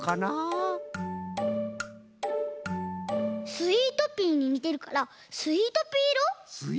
スイートピーににてるからスイートピーいろ？